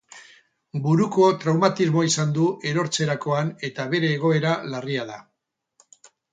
Buruko traumatismoa izan du erortzerakoan eta bere egoera larria da.